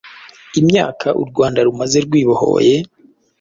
imyaka u rwanda rumaze rwibohoye,